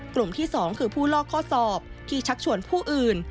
กลุ่มที่๒คือผู้ลอกข้อสอบที่ชักชวนผู้อื่น